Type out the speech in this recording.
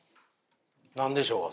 何でしょうか？